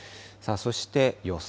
そして予想